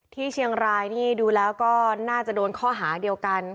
ที่เชียงรายนี่ดูแล้วก็น่าจะโดนข้อหาเดียวกัน